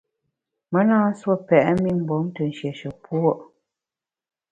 Me na nsuo pèt mi mgbom te nshéshe puo’.